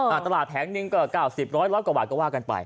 ตลาดแผงหนึ่งก็เก้าสิบร้อยร้อยกว่าบาทก็ว่ากันไป